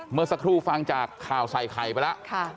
เมื่อสักครู่ฟังจากข่าวใส่ไข่ไปแล้ว